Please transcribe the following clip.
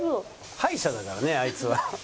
敗者だからねあいつは。